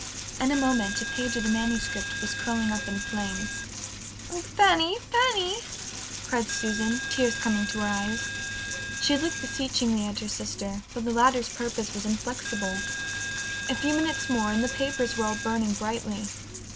In a moment a page of the manuscript was curling up in flames. "Oh, Fanny, Fanny!" cried Susan, tears coming to her eyes. She looked beseechingly at her sister, but the latter's purpose was inflexible. A few minutes more and the papers were all burning brightly.